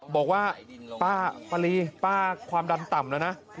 บอกว่าป้าปารีป้าความดันต่ำแล้วนะ